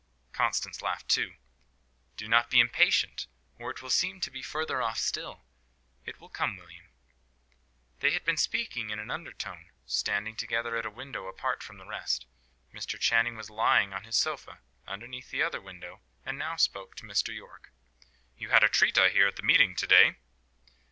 Constance laughed too. "Do not be impatient, or it will seem to be further off still. It will come, William." They had been speaking in an undertone, standing together at a window, apart from the rest. Mr. Channing was lying on his sofa underneath the other window, and now spoke to Mr. Yorke. "You had a treat, I hear, at the meeting to day?"